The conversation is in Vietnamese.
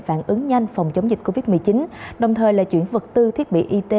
phản ứng nhanh phòng chống dịch covid một mươi chín đồng thời là chuyển vật tư thiết bị y tế